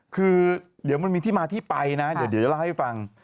คือเดี๋ยวมันมีที่มาที่ไปนะเดี๋ยวจะเล่าให้ฟัง